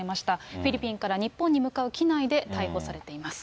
フィリピンから日本に向かう機内で逮捕されています。